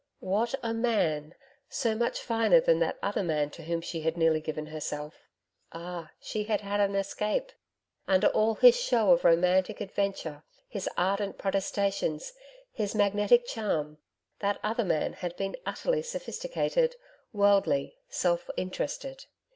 What a MAN! So much finer than that other man to whom she had nearly given herself! Ah, she had had an escape! Under all his show of romantic adventure, his ardent protestations, his magnetic charm, that other man had been utterly sophisticated, worldly, self interested.